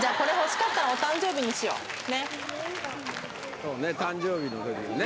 そうね誕生日の時にね。